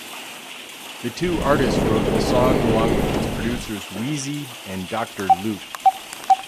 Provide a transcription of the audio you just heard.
The two artists wrote the song along with its producers Wheezy and Doctor Luke.